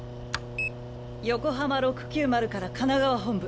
横浜６９０から神奈川本部！